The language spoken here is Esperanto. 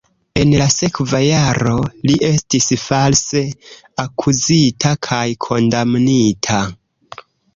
En la sekva jaro li estis false akuzita kaj kondamnita.